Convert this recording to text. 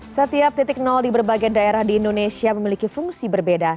setiap titik nol di berbagai daerah di indonesia memiliki fungsi berbeda